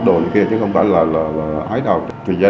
bố mẹ thì cũng có tuổi rồi